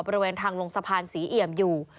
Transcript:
บริเวณทางลงสะพานศรีเอี่ยมอยู่